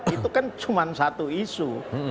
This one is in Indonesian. itu kan cuma satu isu